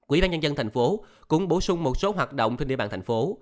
ủy ban nhân dân thành phố cũng bổ sung một số hoạt động trên địa bàn thành phố